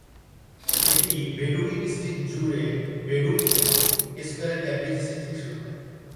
এটি Bowdoin Street জুড়ে Bowdoin স্কয়ারের ক্যামব্রিজ স্ট্রিট থেকে শুরু হয়।